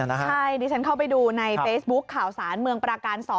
ใช่ดิฉันเข้าไปดูในเฟซบุ๊คข่าวสารเมืองปราการ๒